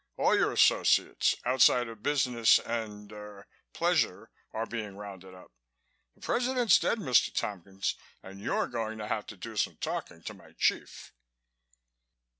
All your associates, outside of business and er pleasure, are being rounded up. The President's dead, Mr. Tompkins, and you're going to do some talking to my chief."